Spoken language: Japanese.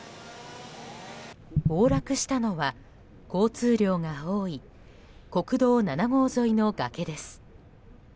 崩落したのは、交通量が多い国道７号沿いの崖です。